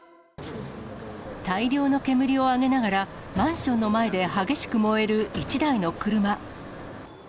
大量の煙を上げながら、マンションの前で激しく燃える１台の車。